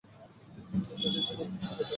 তাকে বিয়ে করে তুই সুখে থাক।